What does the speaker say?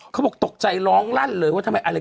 เขาบอกตกใจร้องลั่นเลยว่าทำไมอะไร